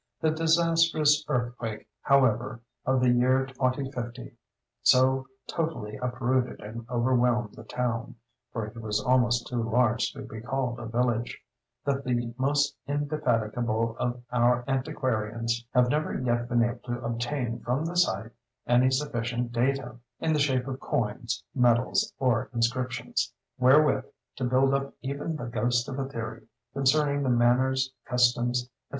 The disastrous earthquake, however, of the year 2050, so totally uprooted and overwhelmed the town (for it was almost too large to be called a village) that the most indefatigable of our antiquarians have never yet been able to obtain from the site any sufficient data (in the shape of coins, medals or inscriptions) wherewith to build up even the ghost of a theory concerning the manners, customs, &c.